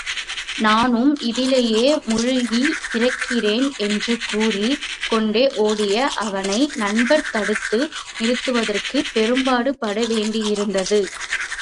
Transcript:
நானும் இதிலேயே மூழ்கி இறக்கிறேன் என்று கூறிக் கொண்டே ஒடிய அவனை நண்பர் தடுத்து நிறுத்துவதற்குப் பெரும்பாடுபட வேண்டியிருந்தது.